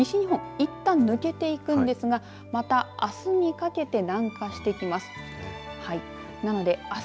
いったん抜けていくんですがまた、あすにかけて南下してきます。